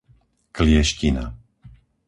Klieština